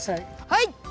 はい！